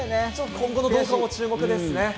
今後の動きも注目ですね。